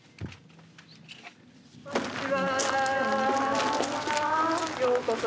こんにちは。